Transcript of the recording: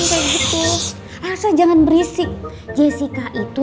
menah sebut diberi tersuatu